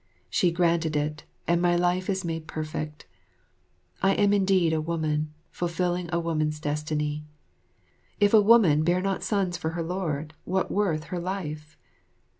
She granted it, and my life is made perfect. I am indeed a woman, fulfilling a woman's destiny. If a woman bear not sons for her lord, what worth her life?